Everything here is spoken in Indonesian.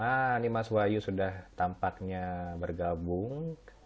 nah ini mas wahyu sudah tampaknya bergabung